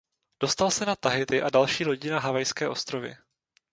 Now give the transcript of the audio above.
Dostal se na Tahiti a další lodí na Havajské ostrovy.